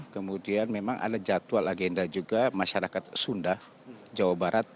kemudian memang ada jadwal agenda juga masyarakat sunda jawa barat